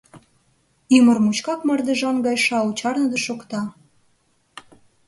Ӱмыр мучкак мардежан гай шау чарныде шокта.